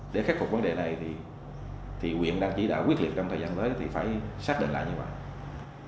để khắc phục vấn đề này thì quyện đang chỉ đạo quyết liệt trong thời gian tới thì phải xác định lại như vậy